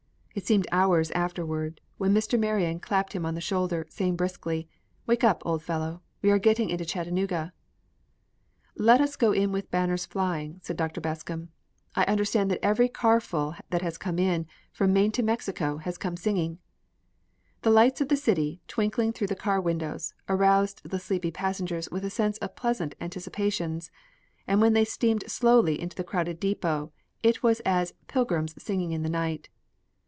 It seemed hours afterward when Mr. Marion clapped him on the shoulder, saying briskly, "Wake up, old fellow, we are getting into Chattanooga." "Let us go in with banners flying," said Dr. Bascom. "I understand that every car full that has come in, from Maine to Mexico, has come singing." The lights of the city, twinkling through the car windows, aroused the sleepy passengers with a sense of pleasant anticipations, and when they steamed slowly into the crowded depot, it was as "pilgrims singing in the night."